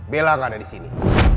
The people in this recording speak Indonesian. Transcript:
bella gak ada di sini